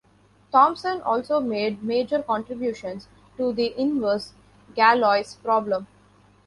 Thompson also made major contributions to the inverse Galois problem.